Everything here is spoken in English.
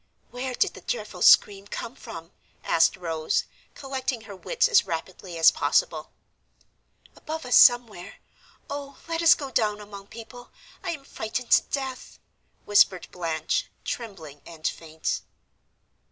"Where did the dreadful scream come from?" asked Rose, collecting her wits as rapidly as possible. "Above us somewhere. Oh, let us go down among people; I am frightened to death," whispered Blanche, trembling and faint.